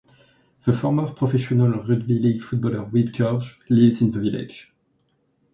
The former professional rugby league footballer Wilf George lives in the village.